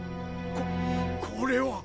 ここれは。